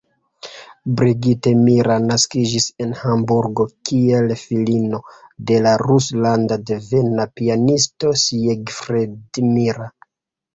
Brigitte Mira naskiĝis en Hamburgo, kiel filino de la rusland-devena pianisto Siegfried Mira.